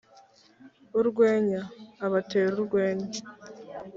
urwenya: abatera urwenya